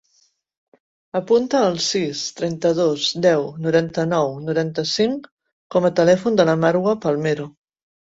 Apunta el sis, trenta-dos, deu, noranta-nou, noranta-cinc com a telèfon de la Marwa Palmero.